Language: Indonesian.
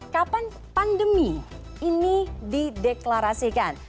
kapan pandemi ini dideklarasikan